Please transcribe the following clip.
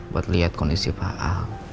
buat lihat kondisi paal